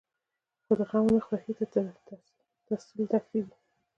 خو د غم نه خوښۍ ته سل دښتې دي.